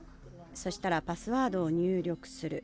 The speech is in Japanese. そしたらパスワードを入力する。